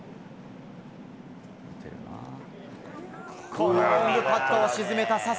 このロングパットを沈めた笹生。